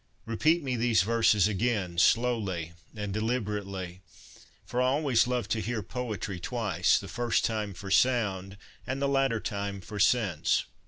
Repeat me these verses again, slowly and deliberately; for I always love to hear poetry twice, the first time for sound, and the latter time for sense."